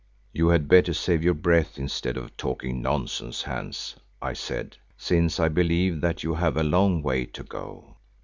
"You had better save your breath instead of talking nonsense, Hans," I said, "since I believe that you have a long way to go."